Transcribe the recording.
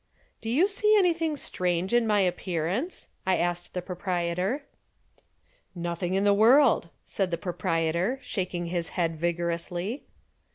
"Do you see anything strange in my appearance?" I asked the proprietor. "Nothing in the world," said the proprietor, shaking his head vigorously.